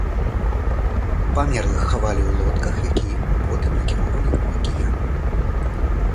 Памерлых хавалі ў лодках, якія потым накіроўвалі ў акіян.